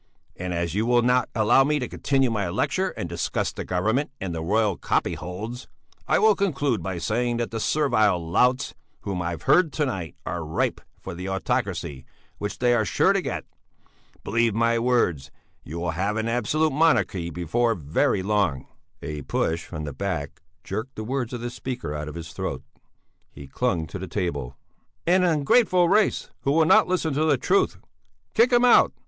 And as you will not allow me to continue my lecture and discuss the Government and the royal copyholds, I will conclude by saying that the servile louts whom I have heard to night are ripe for the autocracy which they are sure to get. Believe my words: You will have an absolute monarchy before very long!" A push from the back jerked the words of the speaker out of his throat. He clung to the table: "And an ungrateful race who will not listen to the truth...." "Kick him out!